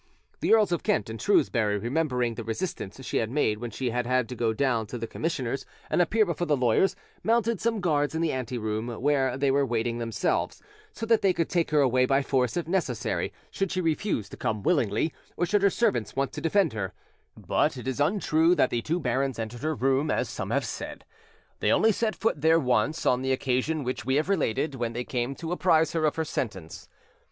The Earls of Kent and Shrewsbury, remembering the resistance she had made when she had had to go down to the commissioners and appear before the lawyers, mounted some guards in the ante room where they were waiting themselves, so that they could take her away by force if necessary, should she refuse to come willingly, or should her servants want to defend her; but it is untrue that the two barons entered her room, as some have said. They only set foot there once, on the occasion which we have related, when they came to apprise her of her sentence.